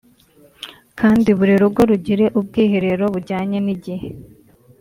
kandi buri rugo rugire ubwiherero bujyanye n’igihe